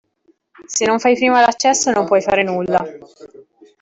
Se non fai prima l'accesso non puoi fare nulla.